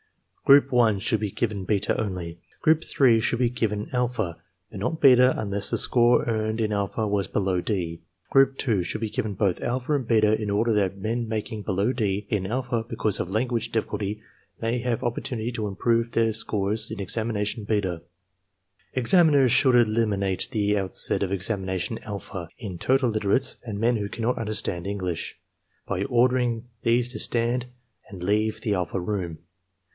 Group 1 should be given beta only; group 3 should be given alpha (but not beta unless the score earned in alpha was below D) ; group 2 should be given both alpha and beta in order that men making below D in alpha because of language difficulty may have opportunity to improve their scores in examination beta. Examiners should eliminate at the outset of examination alpha 62 ARMY MENTAL TESTS all total illiterates and men who cannot understand English, by ordering these to stand and to leave the alpha room.